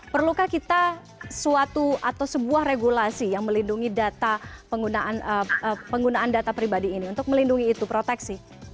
perlukah kita suatu atau sebuah regulasi yang melindungi data penggunaan data pribadi ini untuk melindungi itu proteksi